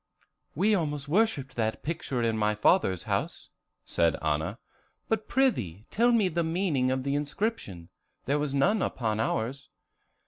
] "We almost worshipped that picture in my father's house," said Anna; "but prithee tell me the meaning of the inscription; there was none upon ours."